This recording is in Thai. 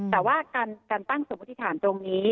แต่ว่าการตั้งสมมุติฐานตรงนี้